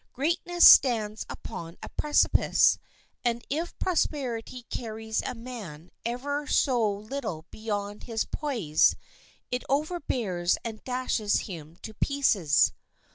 Greatness stands upon a precipice, and if prosperity carries a man ever so little beyond his poise, it overbears and dashes him to pieces.